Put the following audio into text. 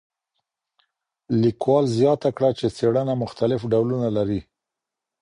لیکوال زیاته کړه چي څېړنه مختلف ډولونه لري.